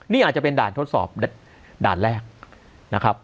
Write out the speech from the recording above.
นี่อาจจะเป็นด่านทดสอบด่านแรก